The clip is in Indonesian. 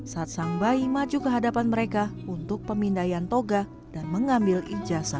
saat sang bayi maju ke hadapan mereka untuk pemindaian toga dan mengambil ijazah